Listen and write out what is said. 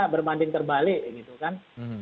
berbanding terbalik gitu kan